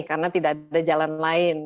karena tidak ada jalan lain